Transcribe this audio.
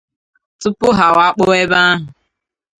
tupu ha wakpo ebe ahụ